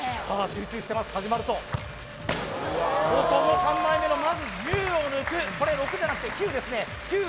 集中してます始まるとここも３枚目のまず１０を抜くこれ６じゃなくて９ですね